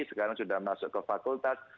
sekarang sudah masuk ke fakultas